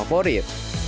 sebagai pilihan favorit